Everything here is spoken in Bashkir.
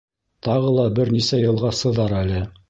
Тағы ла бер нисә йылға сыҙар әле.